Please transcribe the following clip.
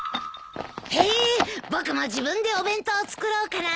へえ僕も自分でお弁当作ろうかな？